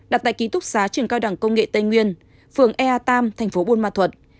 đặt tại ký túc xá trường cao đẳng công nghệ tây nguyên phường ea tam thành phố buôn ma thuật